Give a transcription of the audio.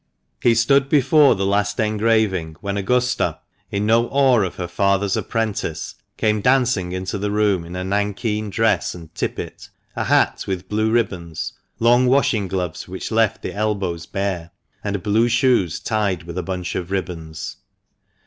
135 He stood before the last engraving when Augusta — in no awe of her father's apprentice — came dancing into the room in a nankeen dress and tippet, a hat with blue ribbons, long washing gloves which left the elbows bare, and blue shoes tied with a bunch of ribbons.